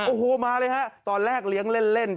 โอ้โหมาเลยฮะตอนแรกเลี้ยงเล่น